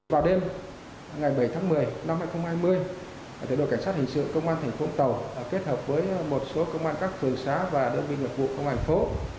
vào đêm ngày bảy tháng một mươi năm hai nghìn hai mươi đội cảnh sát hình sự công an thành phố vũng tàu kết hợp với một số công an các phường xá và đơn vị nghiệp vụ công an thành phố